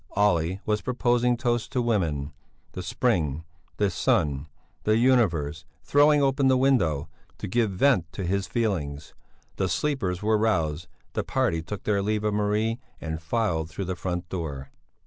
Olle was proposing toasts to women, the spring, the sun, the universe, throwing open the window, to give vent to his feelings. The sleepers were roused, the party took their leave of Marie, and filed through the front door.